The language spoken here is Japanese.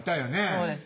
そうです